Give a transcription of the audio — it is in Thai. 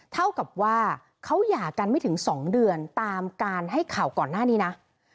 เท่ากับว่าเขาหย่ากันไม่ถึง๒เดือนตามการให้ข่าวก่อนหน้านี้นะ